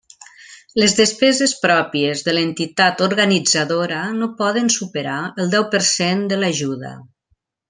Les despeses pròpies de l'entitat organitzadora no poden superar el deu per cent de l'ajuda.